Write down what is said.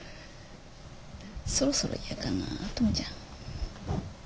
そろそろ嫌かなトムちゃん。